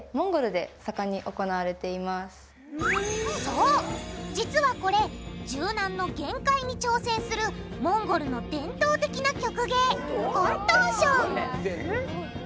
そう実はこれ柔軟の限界に挑戦するモンゴルの伝統的な曲芸コントーション！